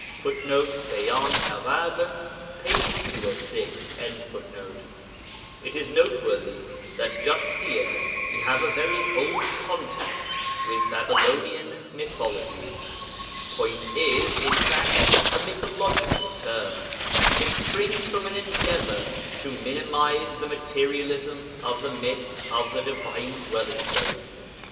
[Footnote: Beyan Arabe, p. 206.] It is noteworthy that just here we have a very old contact with Babylonian mythology. 'Point' is, in fact, a mythological term. It springs from an endeavour to minimize the materialism of the myth of the Divine Dwelling place.